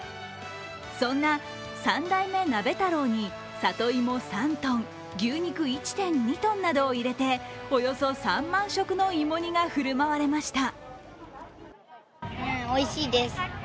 そんな三代目鍋太郎に里芋３ｔ、牛肉１．２ｔなどを入れておよそ３万食の芋煮が振る舞われました。